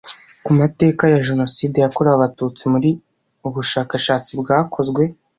ku mateka ya jenoside yakorewe abatutsi muri ubushakashatsi bwakozwe